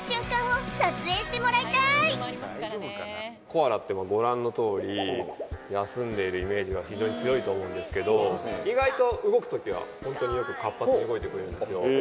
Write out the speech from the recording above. コアラってご覧のとおり休んでいるイメージが非常に強いと思うんですけど意外と動く時はホントによく活発に動いてくれるんですよ